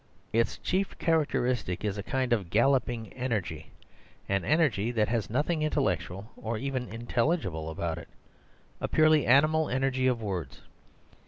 Its chief characteristic is a kind of galloping energy, an energy that has nothing intellectual or even intelligible about it, a purely animal energy of words.